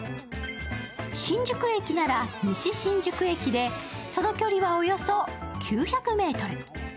新宿駅なら西新宿駅で、その距離はおよそ９００ｍ。